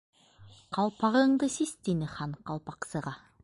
—Ҡалпағыңды сис, —тине Хан Ҡалпаҡсыға.